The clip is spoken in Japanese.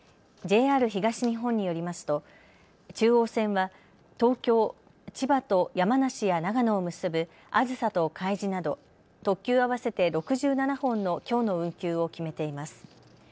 ＪＲ東日本によりますと中央線は東京、千葉と山梨や長野を結ぶあずさとかいじなど特急合わせて６７本のきょうの運休を決めています。